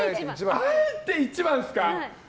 あえて１番ですか。